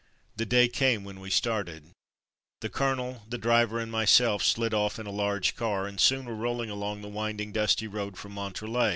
The day came when we started. The colonel, the driver, and myself slid off in a large car, and soon were rolling along the winding, dusty road from Montrelet.